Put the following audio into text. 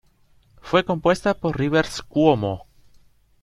Fue compuesta por Rivers Cuomo.